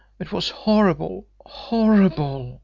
It was horrible, horrible!